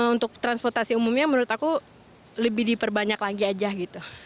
untuk transportasi umumnya menurut aku lebih diperbanyak lagi aja gitu